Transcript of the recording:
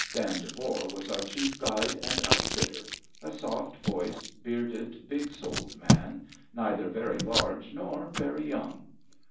Dan Devore was our chief guide and outfitter, a soft voiced, bearded, big souled man, neither very large nor very young.